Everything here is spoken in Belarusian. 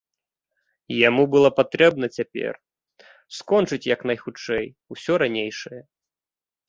Яму было патрэбна цяпер скончыць як найхутчэй усё ранейшае.